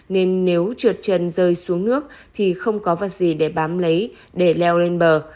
nên nếu trượt chân rơi xuống nước thì không có vật gì để bám lấy để leo lên bờ